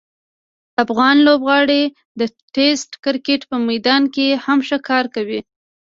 افغان لوبغاړي د ټسټ کرکټ په میدان کې هم ښه کار کوي.